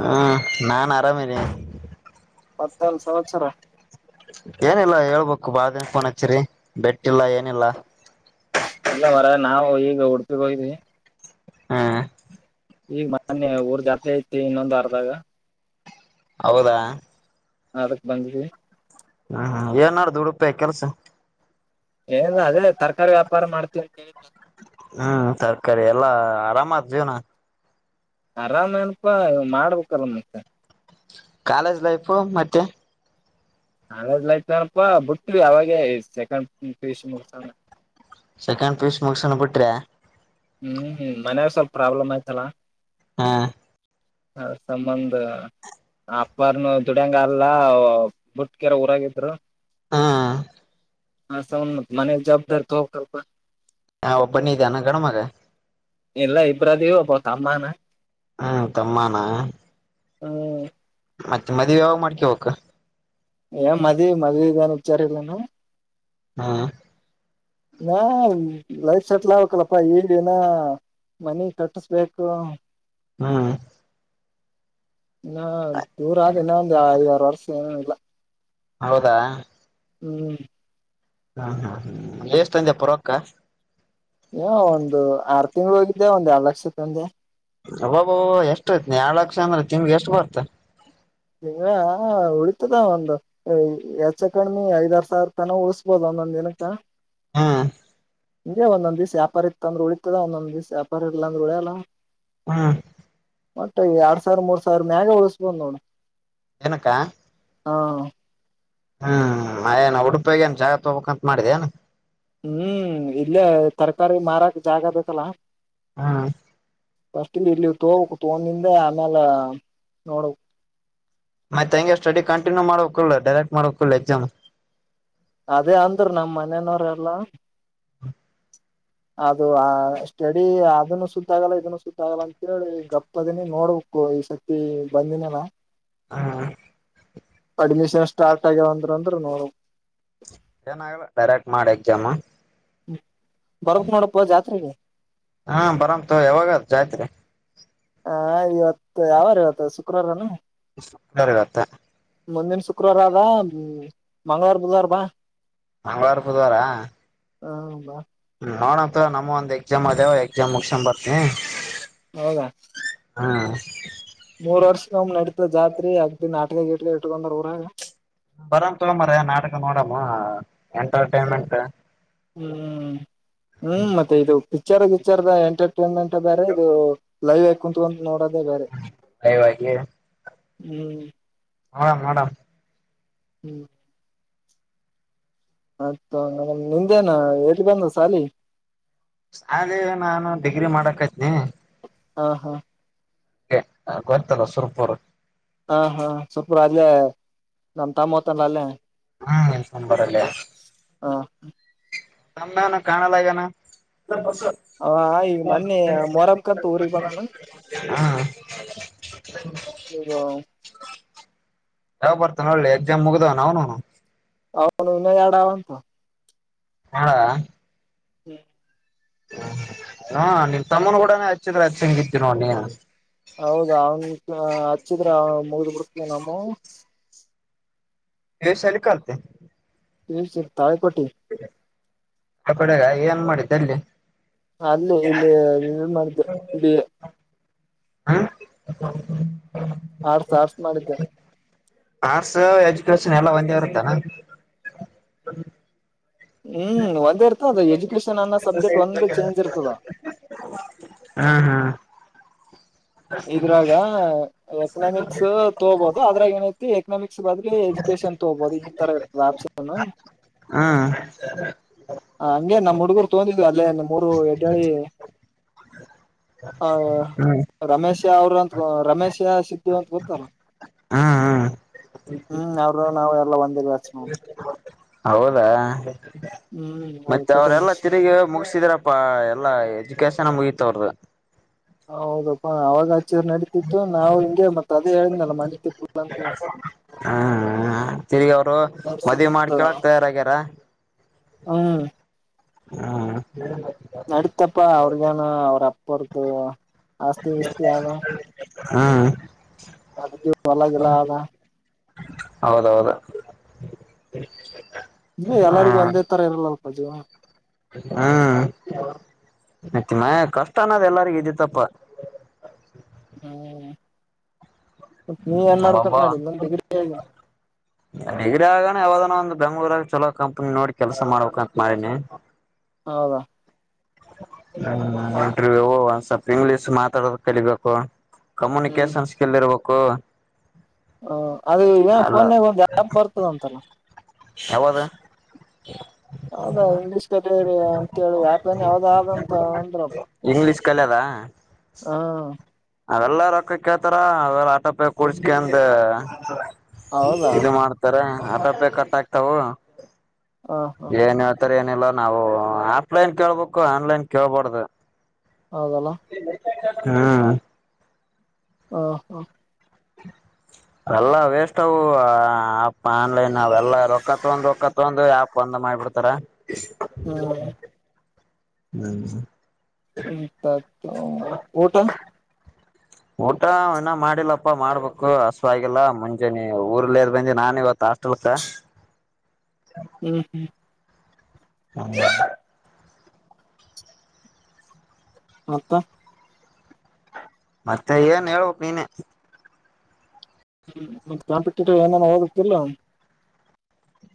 ಹಾ ನಾನ್ ಆರಾಮದಿನಿ ಮತ್ತೇನ್ ಸಮಾಚಾರ ಏನಿಲ್ಲ ಹೇಳ್ಬೇಕು ಬಾಳ ದಿನಕ ಫೋನ್ ಹಚ್ಚರಿ ಬೆಟ್ಟಿಲ್ಲ ಏನಿಲ್ಲ ಇಲ್ಲ ವರಗ ನಾವ ಈಗ ಉಡುಪಿಗ್ ಹೋಗಿದ್ವಿ ಹಾ ಈಗ ಮೊನ್ನೆ ಊರ್ ಜಾತ್ರೆ ಐತಿ ಇನ್ನೊಂದು ವಾರ್ದಾಗ ಹೌದಾ ಅದಕ್ ಬಂದಿದೀವಿ ಹಾ ಹಾ ಏನ್ ನಡ್ದು ಉಡುಪಿಯಾಗ್ ಕೆಲ್ಸ ಏನ್ ಅದೇ ತರಕಾರಿ ವ್ಯಾಪ್ ಪಾರ ಮಾಡ್ತಿವಿ ಹಾ ತರಕಾರಿ ಎಲ್ಲಾ ಆರಾಮಾದ ಜೀವ್ನ ಆರಾಮ ಏನಪಾ ಮಾಡ್ಬೇಕಲ್ ಮತ್ತೆ ಕಾಲೇಜ್ ಲೈಫು ಮತ್ತೆ ಕಾಲೇಜ್ ಲೈಫ್ ಏನಪ್ಪಾ ಬುಟ್ವಿ ಅವಾಗೇ ಸೆಕೆಂಡ್ ಪಿ ಯು ಸಿ ಮುಗ್ಸಣ ಸೆಕೆಂಡ್ ಪಿ ಯು ಸಿ ಮುಗಸಣ ಬಿಟ್ರೆ ಹ್ಮ ಮನ್ಯಾಗ ಸ್ವಲ್ಪ ಪ್ರಾಬ್ಲಮ್ ಆಯ್ತಲ್ಲ ಹಾ ಅ ಸಂಬಂದ ಅಪ್ಪಾರ್ನು ದುಡ್ಯಂಗ ಅಲ್ಲ ಬುಟ್ಕರೆ ಊರಾಗಿದ್ರು ಹ್ಮ್ ಹಾ ಸೌನ್ ಮತ್ ಮನೇಲಿ ಜವಾಬ್ದಾರಿ ತಗೋಬೇಕಲ್ಲಪ್ಪ ಹಾ ಓಪನಿ ಜನ ಗಣಮಗ ಎಲ್ಲ ಇಬ್ರಾದೀವ್ ಒಬ್ಬ ತಮ್ಮಾನ ಹ್ಮ ತಮ್ಮಾನ ಹ್ಮ್ ಮತ್ತೆ ಮದ್ವಿ ಯಾವಾಗ್ ಮಾಡ್ಕವಕ್ ಏ ಮದ್ವಿ ಮದ್ವಿದಾರ್ ವಿಚಾರಲ್ಲನು ಹಾ ನಾ ಲೈಫ್ ಸೆಟ್ಲ್ ಆಗ್ಬೇಕಲ್ಲಪ್ಪ ದಿನ ಮನಿ ಕಟ್ಟಸ್ಬೇಕು ಹ್ಮ್ ನಾ ಇವರ ಆದ ಇನ್ನ ಒಂದ್ ಐದಾರು ವರ್ಷ ಏನೂ ಇಲ್ಲ ಹೌದಾ ಹ್ಮ್ ಹಾ ಹಾ ಅ ಎಷ್ಟ ತಂದೆ ಪರಕ್ಕ ಒಂದು ಆರ್ ತಿಂಗ್ಳ ಹೋಗಿದ್ದೆ ಒಂದ್ ಎರಡು ಲಕ್ಷತಂದೆ ಅಬಬ ಎಷ್ಟ ಯ್ತ್ ಎರಡ್ ಲಕ್ಷ ಅಂದ್ರೆ ತಿಂಗಳಿಗ ಎಷ್ಟು ಬರ್ತ ನೀವ ಉಳಿತದ ಒಂದ ಯಚ್ಚ ಕಣ್ಮಿ ಐದರ್ ಸಾವಿರ ತನ ಉಳಸ್ಬೋದ ಒಂದೊಂದ್ ದಿನಕ್ಕ ಹಾ ಇ ಒಂದೊಂದ ದಿವಸ ವ್ಯಾಪರ ಇತ್ತಂದ್ರ ಉಳಿತತದ ಒಂದೊಂದ್ ದಿವ್ ವ್ಯಾಪಾರ ಇಲ್ಲಂದ್ರ ಉಳಿಯಲ್ಲ ಹ್ಮ್ ಮತ್ತೆ ಎರಡ್ ಸಾವಿರ ಮೂರ್ ಸಾವಿರ ಮೇಗ ಉಳಸಂದೋಣ ಏನಕ್ಕ ಹಾ ಹ್ಮ್ ಮಯಏನ ಉಡುಪಾಗ ಏನ್ ಜಾಗತ್ ಹೋಗಬಕ್ಂತ ಮಾಡಿದೆನ ಹ್ಮ್ ಇಲ್ಲೇ ತರಕಾರಿ ಮಾರಾಕ್ ಜಾಗ ಆದಲ್ಲ ಹಾ ಫಸ್ಟ್ ಇರ್ಲ್ಲಿ ತೋಬೇಕ ತೂಡಿಂದ ಆಮೇಲೆ ನೋಡ ಮತ್ತೆ ಹಂಗೆ ಸ್ಟಡಿ ಕಂಟಿನ್ಯೂ ಮಾಡಕ್ಲ್ಲ ಡೈರೆಕ್ಟ್ ಮಾಡಕ್ಲ್ಲ ಎಕ್ಸಾಮ್ ಅದೇ ಅಂದರು ನಮ್ಮ್ ಮನೇನವ್ರ ಎಲ್ಲಾ ಅದು ಆ ಸ್ಟಡಿ ಅದನ್ನು ಸುತ್ತ ಆಗಲ್ಲ ಇದನ್ನು ಸುತ್ತ ಆಾಗಲ್ಲ ಅಂತೇಳಿ ಗಪ್ಪದನಿ ನೋಡ್ಬೇಕು ಈ ಸಕ್ತಿ ಬಂದಿನೇನ ಹಾ ಅಡ್ಮಿಷನ್ ಸ್ಟಾರ್ಟ್ ಆಗ್ಯಂದ್ರ ಅಂದ್ರ ನೋಡ ಏನಲ್ಲ ಡೈರೆಕ್ಟ್ ಮಾಡಿ ಎಕ್ಸಾಮ್ ಹ್ಮ್ ಬರಕ್ ನೋಡಕ್ ಜಾತ್ರೆಗೆ ಹಾ ಬರಮ್ಮತೂ ಯಾವಾಗ ಜಾತ್ರಿ ಹ ಇವತ್ತು ಯಾವಾರ ಇವತ್ತು ಶುಕ್ರವಾರನು ಇವತ್ತ ಮುಂದಿನ ಶುಕ್ರವಾರ ಆದ ಹ್ಮ್ ಮಗಂಳವಾರ ಬುಧವಾರ ಬಾ ಮಂಗಳವಾರ ಬುಧವಾರ ಹಾ, [inaudible] ಹೌದಾ ನೋಡಂತ, ನಮ್, ಒಂದ್ ಎಕ್ಸಾಮ್, ಅದೇವ ಎಕ್ಸಾಮ್, ಮುಗಸೊಂಡ್, ಬರುತ್ತೀನಿ. [inaudible] ಹೌದಾ, ಹಾ.. [inaudible] ಮೂರ್, ವರ್ಷ, ಒಮ್ಮೆ ನಡೆಸಿದ ಜಾತ್ರೆ, ಅಷ್ಟೇನಾ ಆಯ್ತ್ರಿ. [inaudible] ಇನ್ನು ಇಲ್ಲೇ ಇಟ್ಕೊಂಡಿದ್ದಾರೆ ಊರಾಗ. [inaudible] ಬರನ್ ತಗೋ! ಮಾರಾಯ ನಾಳೆಯಿಂದ ನೋಡಮ್. [inaudible] ಎಂಟರ್ಟೈನ್ಮೆಂಟ್, - ಹ್ಮ್.. [inaudible] ಹ್ಮ್, ಮತ್ತೆ, ಇದು. [inaudible] ವಿಚಾರ, ವಿಚಾರದ, ಎಂಟರ್. [inaudible] ಇದಂ [unintelligible] ತ ಬೇರೆ ಇದು ಲೈನಲ್ ಕುತ್ಕೊಳ್ಳಿ. [inaudible] ನೋಡದೇ, ಬೇರೆ. ಲೈವ್ [inaudible] ಹ್ಮ್.. [inaudible] ಹಾ, ಮಾಡಮ್, ಹ್ಮ್, ಮತ್ ನಿಂದೇನ ಎಲ್ಲಿ ಬಂದ ಸಾಲಿ, ಅದೇ ನಾನು ಡಿಗ್ರಿ ಮಾಡಕತಿನಿ. ಹಾ, ಹಾ. [inaudible] ಗೊತ್ತಲ್ಲ ಸುರ್ಪೂರ್, ಹಾ, ಹಾ, ಸ್ವಲ್ಪ, ಅಲೈ, ನಮ್ ತಮ್ಮ ಹೊತ್ತಾನಲೈ. [inaudible] ಹಾ.. [unintelligible] ನಂಬರಲ್ಲೇ ಹ [unintelligible] ತಮ್ಮೇನ ಕಾಣಲ್ಲಾಗನ., - ಹ, ಈಗ ಮೊನ್ನೆ ಮೊರಮಕಂತು, ಊರಿಗೆ, ಬಂಧನ. [inaudible] ಆಯೋ.. [unintelligible] ಹ [inaudible] ಯಾವ, ಬರುತನಲ್ಲಿ, ಎಕ್ಜಾಮ್, ಮುಗದ ಅವನು. [inaudible] ಅವನು, ಇನ್ನ ಎರಡು, ಆಗನಾ. [unintelligible] ಹೌದ.. [inaudible] ಹ್ಮ್, ಹಾ, ನಿನ್, ತಮ್ಮನು, ಕೂಡಾನ, ಹಚ್ಚಿದ್ರೆ ಹಚ್ಚ ಹಂಗಿತಿ ನೀನು. [unintelligible] ಹೌದ, ಅವನ್, ಹಚ್ಚಿದ್ರೆ, ಅವ, ಮುಗ್ದ್, ಬಿಡುತ್ತೆ, ಅಮ್ಮೋ. [inaudible] ವೇಶಾಲ, ಕಲ್ತೆ. [inaudible] ಹಸ [inaudible] ತಾಯಿ ಕೋಟಿ. [inaudible] ಹ, ಕಡೆ, ಏನ್ ಮಾಡಿದ್ದೆ, ಎಲ್ಲಿ. [inaudible] ಅಲ್ಲಿ, ಇಲ್ಲಿ, ನೀನ್, ಮಾಡಿದ್ದು, ಇಲ್ಲಿ. [inaudible] ಹಾ [inaudible] [unintelligible] ಆಡ್ಸ ಆಡ್ಸ್ ಮಾಡಿದ್ದೆ [inaudible] ಆರ್ಟ್ಸ್ ಎಜುಕೇಶನ್ ಎಲ್ಲ ಒಂದೇ ಇರುತ್ತಾನ ಹ ಹ್ಮ್ ಒಂದೇ ಇರ್ತದದ ಎಜುಕೇಶನ್ ಅನ್ನ ಸಬ್ಜೆಕ್ಟ್ ಒಂದ ಚೇಂಜ್ ಇರ್ತದ ಹ್ಮ್ ಹ್ಮ್ ಇದ್ರಾಗ ಎಕನಾಮಿಕ್ಸ್ ತಗಬಹದು ಅದ್ರಾಗ ಏನೈತಿ ಎಕನಾಮಿಕ್ಸ್ ಎ ಬದ್ರಲಿ ಎಜುಕೇಶನ್ ತಗಬೋದು ಈ ತರ ಇರ್ತದೆ ಆಪ್ಷನ್ ಹ್ಮ್ ಹ ಹಂಗೆ ನಮ್ಮ್ ಹುಡುಗರು ತಗೊಂಡಿದ್ವಿ ಅಲ್ಲೇ ಮೂರು ಎಡ್ ಆ ಹ್ಮ್ ರಮೇಶ್ ಅವರು ಅಂತ ರಮೇಶ ಸಿದ್ದು ಅಂತ ಗೊತ್ತಲ್ಲ ಹ್ಮ್ ಹ್ಮ್ ಹ್ಮ್ ಅವರು ನಾ ಎಲ್ಲ ಬಂದ ಹ ಹೌದಾ ಹ್ಮ್ ಮತ್ತೆ ಕಟ ಅವರೆಲ್ಲಾ ತಿರುಗಿ ಮುಗಸಿದಾರಪ್ಪಾ ಎಲ್ಲಾ ಎಜುಕೇಶನ್ ಮುಗ ತೋರದ [inaudible] ಹೌದಪ್ಪ ಅವಾಗ ಚೂರ್ ನಡಿತಿತ್ತು ನಾವು ಹಿಂಗೆ ಮತ್ತ ಅದೇ ಹೇಳಿದ್ನಲ್ಲ ಮನೀದ ತಿಪ್ಲಾ ಅಂತ ಹ್ಮ್ ತಿರ್ಗಿ ಅವರು ಅದರ್ ಮದ್ವಿ ಸಂಬಂಧ ಮಾಡ್ಕಳಕ್ ತಯಾರಾಗ್ಯಾರ ಹ್ಮ್ [inaudible] ಹ್ಮ್ [inaudible] ನಡಿತ್ತಪ್ಪಾ ಅವ್ರಗೇನ ಅವ್ರಪ್ಪ ಅಪ್ಪಾರದು ಆಸ್ತಿ ಗೀಸ್ತಿ ಆದ ಹಾ ಅದಕ ಹೊಲ-ಗಿಲಾ ಆದ ಹೌದೌದ [unintelligible] ಎಲ್ಲರಿಗೂ ಒಂದೇ ಥರ ಇರಲ್ಲವು ಅದು ಹ್ಮ್ ಮತ್ತ ಮ ಕಷ್ಟ ಅನ್ನೋದ್ ಎಲ್ಲರಿಗ ಇದ್ದತ್ತಪ್ಪ ಹ್ಮ್ ಅವೊಬ್ಬವ ಡಿಗ್ರಿ ಆಗನ ಯಾವದಾನ ಒಂದು ಬೆಂಗಳೂರಗ ಚಲೋ ಕಂಪ್ನಿ ನೋಡಿ ಕೆಲಸ ಮಾಡ್ಬೇಕಂತ ಮಾಡಿನಿ ಹೌದಾ ಇಂಟರ್ವಿವ್ ಒಂದ್ ಸ್ವಲ್ಪ ಇಂಗ್ಲೀಷ್ ಮಾತಾಡೋದ ಕಲಿಬೇಕು ಕಮ್ಯುನಿಕೇಶನ್ ಸ್ಕಿಲ್ ಇರ್ಬೇಕು ಕ್ಕ [unintelligible] ಹ ಅದು ಈಗ ಫೋನ್ನಾಗ ಒಂದ್ ಆ್ಯಪ್ ಬರ್ತದ ಅಂತಲ್ಲ ಯಾವದು ಹೌದಾ ಇಂಗ್ಲೀಷ್ ಕಲಿಯಿರಿ ಅಂತೇಳಿ ಆ್ಯಪ್ ಏನ ಯಾವ್ದ ಆದಂತ ಅಂದ್ರಪ್ಪ ಇಂಗ್ಲಿಷ್ ಕಲಿಯದ? ಹಾ ಅವೆಲ್ಲ ರೊಕ್ಕ ಕೇಳ್ತರ ಅವೆಲ್ಲ ಆಟೋಪೇ ಕೂಡ್ಸ್ಗೆಂದು ಹೌದಾ ಇದು ಮಾಡ್ತರ ಆಟೋಪೇ ಕಟ್ ಆಗ್ತವು ಹಾ ಹಾ ಏನು ಏನಿಲ್ಲ ನಾವು ಆಫ್ಲೈನ್ ಕೇಳ್ಬೇಕು, ಆನ್ಲೈನ್ ಕೇಳ್ಬಾರದು ಹೌದಲ? ಹ್ಮ ಹಾ ಹಾ ಎಲ್ಲಾ ವೇಸ್ಟ್ ಅವು ಆ್ಯಪ್ ಆನ್ಲೈನ್ ಅವೆಲ್ಲಾ ರೊಕ್ಕ ತೊಂಡ್ ರೊಕ್ಕ ತೊಂಡ್ ಆ್ಯಪ್ ಬಂದ್ ಮಾಡ್ಬಿಡ್ತಾರ ಹ್ಮ ಹ್ಮ್ ಹ್ಮ ಊಟ ಊಟ ಇನ್ನ ಮಾಡಿಲ್ಲಪ್ಪಾ ಮಾಡ್ಬೇಕು ಹಸಿವೆ ಆಗಿಲ್ಲ ಮುಂಜೆನೆ ಊರ್ಲ್ದ ಬಂದೆ ನಾನ ಇವತ್ತು ಹಾಸ್ಟೆಲ್ಕ್ಕ ಹ್ಮ್ ಹ್ಮ್ ಹಂಬ [inaudible] ಮತ್ತ ಮತ್ತೆ ಏನ್ ಹಳ್ಬಕ್ ನೀನೇ ಹ್ಮ ಮತ್ತೆ ಕಾಂಪಿಟೇಟಿವ್ ಏನೇನು ಹೋಗತಿಲ್ಲ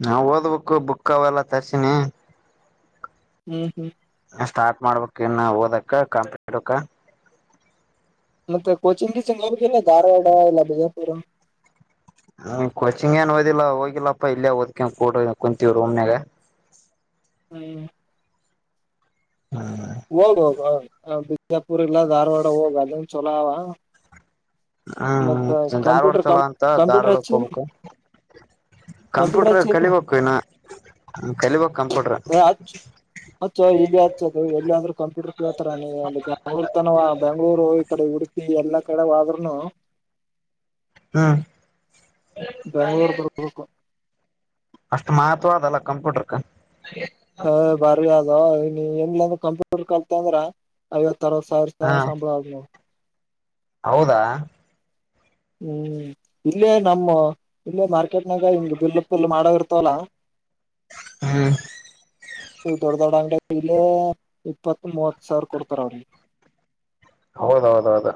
ನಾವ ಓದ್ಬೇಕು ಬುಕ್ ಅವೆಲ್ಲಾ ತರ್ಸಿನಿ ಹ್ಮ್ ಹ್ಮ್ ಸ್ಟಾರ್ಟ್ ಮಾಡ್ಬೇಕಕ್ ಇನ್ನು ಓದಕ್ಕ ಕಂಪ್ [inaudible] ಇಕ ಮತ್ತೆ ಕೋಚಿಂಗ್ ಕೀಚಿಂಗ್ ಹೋಗುದಿಲ್ಲ ಏನ್ ಧಾರವಾಡ ಇಲ್ಲ ಬೀದರ. ಹರ [inaudible] ಹ ಕೋಚಿಂಗ ಏನ್ ಓದಿಲ್ಲ ಹೋಗಿಲ್ಲಪ್ಪ ಇಲ್ಲೇ ಓದ್ಕ ಕೂಡ ಕುಂತೀವಿ ರೂಮ್ನ್ಯಾಗ. ಹ್ಮ ಹ್ಮ ಹೋಗದ ಹೋಗದು ಹ [inaudible] ಇಲ್ಲ ಧಾರವಾಡ ಹೋಗ ಅಲ್ಲಿನ ಚಲೋ. ಪಲಾವ್ ಹ್ಮ್ ಧಾರವಾಡ ಚಲೋ ಅಂತ ಕಂಪ್ಯೂಟರ್ ಧಾರವಾಡ ಹಚ್ಚಿನ್ ಹೋಗ್ಬೇಕು ಕಂಪ್ಯೂಟರ್ ಕಂಪ್ಯೂಟ್ರ ಹಚ್ಚಿನ್ ಕಲಿಬೇಕು ಇನ್ನು ಕಲಿಬೇಕ್ ಕಂಪ್ಯೂಟರ್. ಏ ಎಲ್ಲಿ ಅಂದ್ರೂ ಕಂಪ್ಯೂಟರ್ ಕೇಳ್ತಾರ ಅಲ್ಲಿ ಬೆಂಗಳೂರ್ ತನ ಬೆಂಗ್ಳೂರು ಹೋಗಿ ಈ ಕಡೆ ಹುಡುಕಿ ಎಲ್ಲಾ ಕಡೆವಾದ್ರೂನು ಹ್ಮ ಬೆಂಗಳೂರ ಬರ್ಬೇಕು ಅಷ್ಟು ಮಹತ್ವ ಅದಲ್ಲ ಕಂಪ್ಯೂಟರಕ. ಹೌದ ಬಾರಿ ಅದ ನೀ ಏನಲೆ ಅಂದ ಕಂಪೂಟರ್ ಕಲ್ತ ಅಂದ್ರ ಐವತ್ತು ಅರವತ್ತ ಸಾವಿರ ಹಾ ತನ ಸಂಬಳ ಅದೇ ನೋಡ್ ಹೌದಾ ಹ್ಮ್ ಇಲ್ಲೇ ನಮ್ಮ ಇಲ್ಲೇ ಮಾರ್ಕೆಟ್ನಾಗ ಹಿಂಗ ಬಿಲ್ಲು ಪಲ್ ಮಾಡೋದ್ ಇರ್ತವಲ್ಲ ಹ್ಮ್ ದೊಡ್ಡ ದೊಡ್ಡ ಅಂಗಡಿದಾಗ ಅಲ್ಲಿ ಇಪ್ಪತ್ತು ಮೂವತ್ತು ಸಾವಿರ ಕೊಡ್ತಾರ ಅವ್ರಿಗೆ ಹೌದೌದೌದು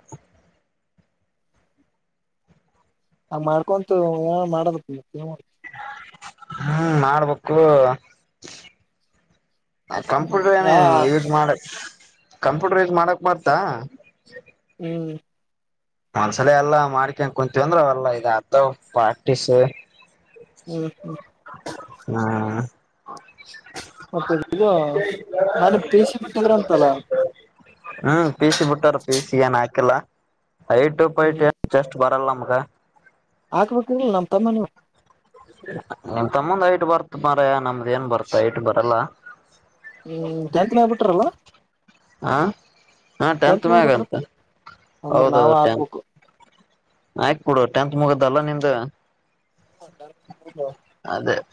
ಆ ಮಾಡ್ಕೊಂತು ಏನರ ಮಾಡ್ವೇಕೀಗ ಹ್ಮ್ ಮಾಡ್ಬೇಕು ಕಂಪ್ಯೂಟರ್ ಏನು ಹಾ ಯೂಸ್ ಮಾಡ ಕಂಪ್ಯೂಟರೈಸ್ ಮಾಡಕ್ ಬರ್ತಾ ಹ್ಮ್ [inaudible] ಒಂದ್ಸಲ ಎಲ್ಲಾ ಮಾಡ್ಕನ್ ಕುಂತೀವಂದ್ರ ಅವಲ್ಲಾ ಇದ ಅದು ಪ್ರಾಕ್ಟೀಸ್ ಹ್ಮ್ ಹ್ಮ್ ಹ್ಮ್ ಮತ್ತ ಇದು ಮನೆ ಪಿಸಿ ಬಿಟ್ಟದ್ರ ಅಂತಲ್ಲ ಪಿಸಿ ಗೆ ಏನ್ ಆಕಿಲ್ಲ ಏಟು ಪಿಟ್ ಬರ್ [unintelligible] ಲ್ಲಗೆ ಹಾಕ್ಬೇಕಲ್ಲ ನಮ್ ತಮ್ಮನ ನಿಮ ತಮ್ಮಂದ ಐಟ್ ಬರ್ತ್ ಮರ ನಮ್ದ ಏನ್ ಬರ್ತ್ ಐಟ್ ಬರಲ್ಲ ಹ್ಮ್ ಕೆಯಾತಿನ ಆಗ್ಬಿಟ್ರಲ್ಲ್ಲ ಆ ಹಾ ಟೆಂತ್ ಬಿಟ್ರ ಮ್ಯಗಂತ ಅಂದ್ರ ನಾವ ಹೌದೌದು ಟೆಂತ್ ಹಾಕ್ಬೇಕು ಆಯಡುತ್ ಮುಗ ಲ್ಲ ನಿಂದು ಹೊಂಡ [inaudible] ಹ ಹಾ [inaudible]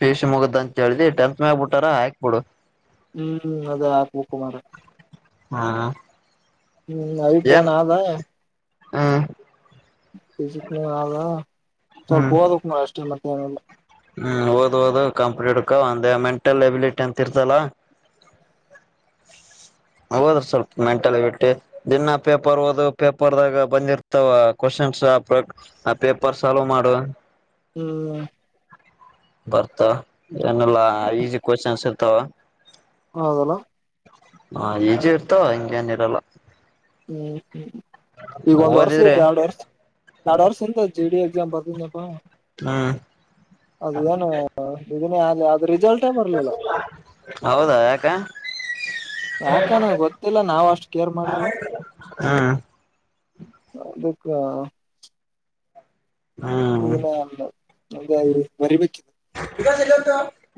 ಪಿಸಿ ಮುಗುದ್ ಅಂತ ಹೇಳ್ದಿ ಟೆಂತ್ ಮೇಬ ಬಿಟ್ಟಾರ ಹಾಕ್ಬಿಡು ಹ್ಮ್ ಅದ ಹಾಕ್ಬೇಕು ಮಾರ ಹಾ ಹ್ಮ್ ಅಯಟ್ಟೇನದ ಹಾ ಬಜ ಆಬ ಸ್ವಲ್ಪ ಹ್ಮ್ ಓದಕ್ ನ ಅಷ್ಟೇ ಲ್ಲ ಹ್ಮ್ ಓದ್ ಓದು ಕಾಂಪ್ಕ ಒಂದ ಮೆಂಟಲ್ ಎಬಿಲಿಟಿ ಅಂತ ಇರ್ತಲ್ಲ ಹೌದ್ರ ಸ್ವಲ್ಪ ಮೆಂಟಲ್ ಎಬಿಟ್ಟಿ ದಿನ ಪೇಪರ್ ಓದು ಪೇಪರ್ದಾಗ ಬಂದಿರ್ತಾವ ಕ್ವಶನ್ಸ್ ಆ ಆ ಪೇಪರ್ ಸಾಲ್ವ್ ಮಾಡು ಹ್ಮ್ ಬರ್ತ ಏನಲ್ಲಾ ಈಸಿ ಕ್ವಶನ್ಸ್ ಇರ್ತಾವ ಹೌದಲ್ಲ [inaudible] ಹಾ ಈಜು ಇರ್ತ ಹಿಂಗೇಏನ ಇರಲ್ಲ ಹ್ಮ್ ಹ್ಮ್ ಈಗ ಒಂದ್ ವರ್ಷ ಓದಿದ್ರೆ ಎರಡ್ ವರ್ಷ ಎರಡ್ ವರ್ಷ ಎಂತ ಜೆ ಡಿ ಎಕ್ಸಾಮ್ ಬರ್ದಿದನಪ್ಪಾ ಹ್ಮ ಅದ ಏನು ಇದನ ಅದ ರಿಸಲ್ಟೇ ಬರ್ಲಿಲ್ಲ ಹೌದಾ ಯಾಕ ಯಾಕಾನ ಗೊತ್ತಿಲ್ಲ ನಾವ ಅಷ್ಟು ಕೇರ್ ಮಾಡವಿ ಹ್ಮ್ ಕ್ಕ ಹ್ಮ್ ಇಲ್ಲ ನಮ ಬರಿಬೇಕ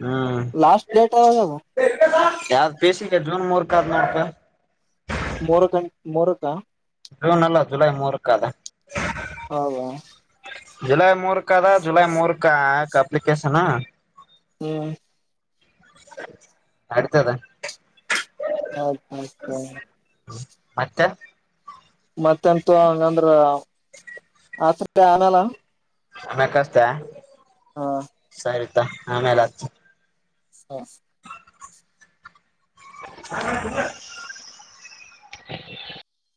ಹ್ಮ್ ಲಾಸ್ಟ್ ಡೇಟ್ ಯಾವಗ ಜುನ್ ಮೂರ್ ಕರ್ನಾಟಕ ಮೂರುಕ ಜೂನ್ ಅಲ್ಲ ಜುಲೈ ಮೂರಕ್ಕ ಅದ ಹೌದಾ ಜುಲೈ ಮೂರ್ಕ್ ಅದ ಜುಲೈ ಮೂರ್ಕ ಆಕ್ ಅಪ್ಲಿಕೇಶನ್ನು ಹ್ಮ್ ನಡಿತದ ಆಯ್ತ್ ಆಯ್ತ್ ಹ ಮತ್ತೆ ಮತ್ತೆಂತು ಹಂಗಂದ್ರ [unintelligible] ಆನಲ್ಲ [unintelligible] ಕಷ್ಟ ಹಾ ಆಮೇಲೆ ಆ ಹ [inaudible]